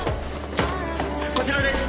こちらです！